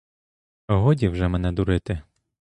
Годі вже мене дурити.